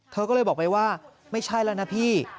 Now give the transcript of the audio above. เธอก็เลยบอกไปว่าไม่ใช่แล้วนะพี่